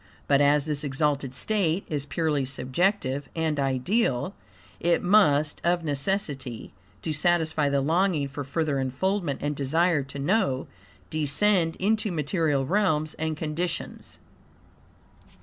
But as this exalted state is purely subjective, and ideal, it must of necessity, to satisfy the longing for further unfoldment and desire to know, descend into material realms and conditions.